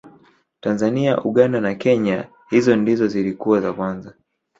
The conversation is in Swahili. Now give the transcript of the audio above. tanzania uganda na kenya hizo ndizo zilikuwa za kwanza